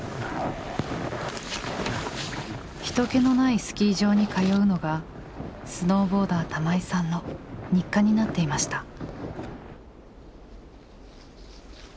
人けのないスキー場に通うのがスノーボーダー玉井さんの日課になっていました。